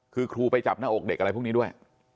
คือครูไปจับหน้าอกเด็กอะไรพวกนี้ด้วย